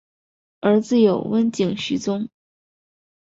儿子有温井续宗。